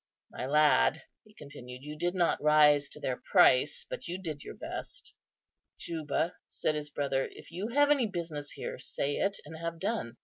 My lad," he continued, "you did not rise to their price, but you did your best." "Juba," said his brother, "if you have any business here, say it, and have done.